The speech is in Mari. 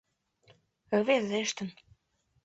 Рвезештын.